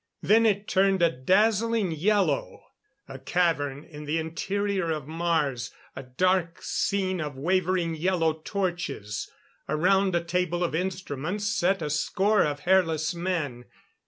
Then it turned a dazzling yellow. A cavern in the interior of Mars. A dark scene of wavering yellow torches. Around a table of instruments sat a score of hairless men.